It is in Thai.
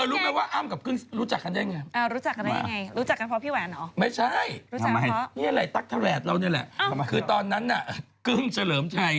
รอพสำคัญต่อแวนแวนเหรอ